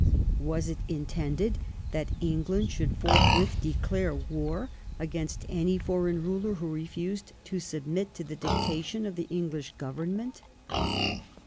Was it intended that England should forthwith declare war against any foreign ruler who refused to submit to the dictation of the Enghsh Government